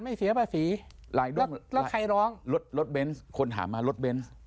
เสียภาษีหลายดอกแล้วใครร้องรถรถเบนส์คนถามมารถเบนส์